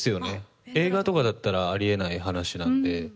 映画とかだったらあり得ない話なんで。